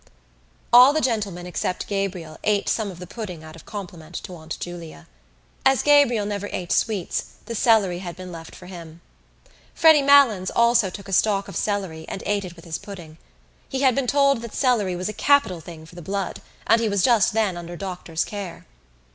All the gentlemen, except Gabriel, ate some of the pudding out of compliment to Aunt Julia. As Gabriel never ate sweets the celery had been left for him. Freddy Malins also took a stalk of celery and ate it with his pudding. He had been told that celery was a capital thing for the blood and he was just then under doctor's care.